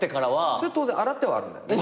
それ当然洗ってはあるんだよね？